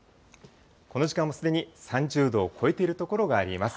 この時間もすでに３０度を超えている所があります。